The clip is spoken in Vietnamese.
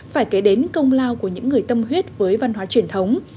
phải kể đến công lao của những người tâm huyết với văn hóa truyền thống